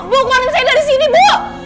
bu kemarin saya dari sini bu